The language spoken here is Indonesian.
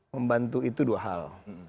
membantu itu dua hal